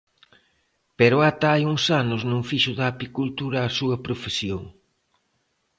Pero ata hai uns anos non fixo da apicultura a súa profesión.